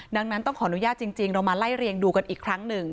ดังนั้นต้องขออนุญาตจริงเรามาไล่เรียงดูกันอีกครั้งหนึ่ง